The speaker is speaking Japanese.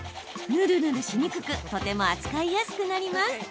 ぬるぬるしにくくとても扱いやすくなります。